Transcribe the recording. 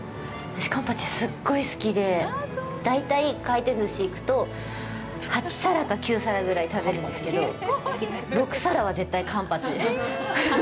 私、カンパチすっごい好きで、大体回転ずし行くと８皿か９皿ぐらい食べるんですけど、６皿は絶対カンパチです。